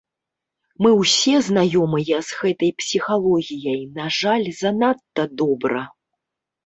Мы ўсе знаёмыя з гэтай псіхалогіяй, на жаль, занадта добра.